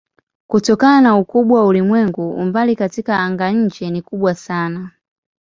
Kutokana na ukubwa wa ulimwengu umbali katika anga-nje ni kubwa sana.